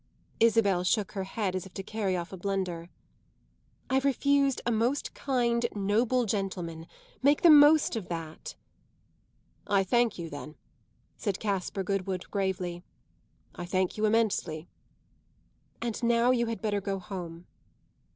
Isabel shook her head as if to carry off a blunder. "I've refused a most kind, noble gentleman. Make the most of that." "I thank you then," said Caspar Goodwood gravely. "I thank you immensely." "And now you had better go home."